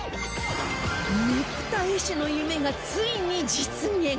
ねぷた絵師の夢がついに実現